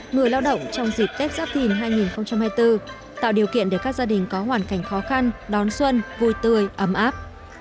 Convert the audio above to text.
người lao động trong dịp tết giáp thìn hai nghìn hai mươi bốn tạo điều kiện để các gia đình có hoàn cảnh khó khăn đón xuân vui tươi ấm áp